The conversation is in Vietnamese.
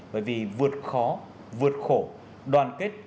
bởi vì vượt khó vượt khổ